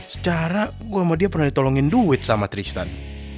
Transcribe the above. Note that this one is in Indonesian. secara gue sama dia pernah ditolongin duit sama tristan